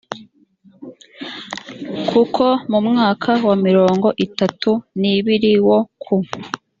kuko mu mwaka wa mirongo itatu n ibiri wo ku